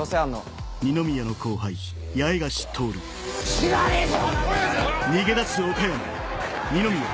知らねえぞ！